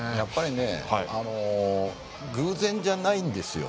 偶然じゃないんですよ。